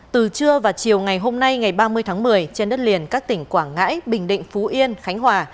từ trưa và chiều ngày hôm nay ngày ba mươi tháng một mươi trên đất liền các tỉnh quảng ngãi bình định phú yên khánh hòa